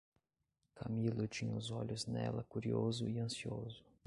Camilo tinha os olhos nela curioso e ansioso.